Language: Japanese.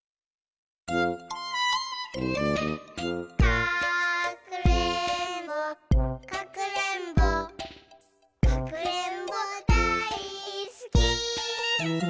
かくれんぼかくれんぼかくれんぼだいすき！